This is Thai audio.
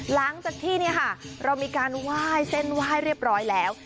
หลังจากที่เรามีการไหว้เส้นไหว้เรียบร้อยแล้ว